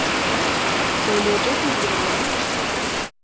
Söyleyecek mi biri bana?